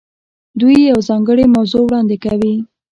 دوی یوه ځانګړې موضوع وړاندې کوي.